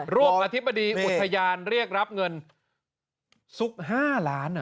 อธิบดีอุทยานเรียกรับเงินซุก๕ล้าน